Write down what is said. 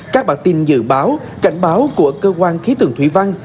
các bản tin dự báo cảnh báo của cơ quan khí tượng thủy văn